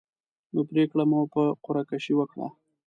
نو پرېکړه مو په قره کشۍ وکړه.